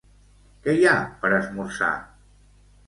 Què hi ha per esmorzar?